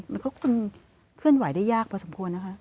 มันก็คงเคลื่อนไหวได้ยากพอสมควรนะคะ